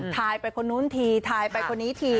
ทายไปคนนู้นทีทายไปคนนี้ที